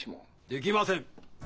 できません！